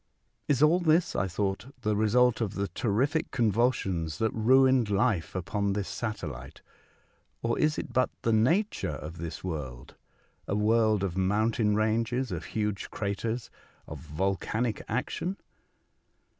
'' Is all this," I thought, '' the result of the terrific convulsions that ruined life upon this satellite, or is it but the nature of this world — a world of mountain ranges, — of huge craters, — of volcanic ac tion?"